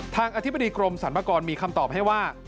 อธิบดีกรมสรรพากรมีคำตอบให้ว่า